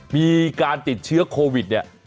มีการติดเชื้อโควิดเนี่ย